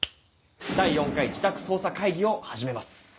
第４回自宅捜査会議を始めます。